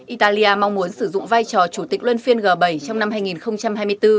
italia mong muốn sử dụng vai trò chủ tịch luân phiên g bảy trong năm hai nghìn hai mươi bốn